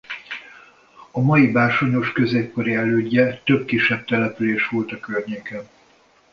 A mai Bársonyos középkori elődje több kisebb település volt a környéken.